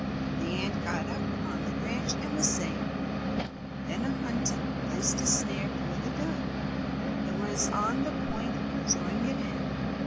The Ant got up on the branch and was saved. Then a hunter placed a snare for the Dove, and was on the point of drawing it in.